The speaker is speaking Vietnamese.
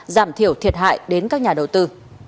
giảm thiểu thiệt hại đến các nhà đầu tư